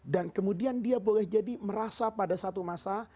dan kemudian dia boleh jadi merasa pada satu masa